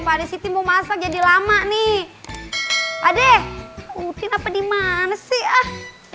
pada siti mau masak jadi lama nih adek adek apa di mana sih